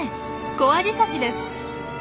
コアジサシです。